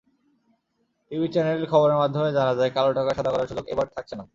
টিভি-চ্যানেলের খবরের মাধ্যমে জানা যায়, কালোটাকা সাদা করার সুযোগ এবার থাকছে না।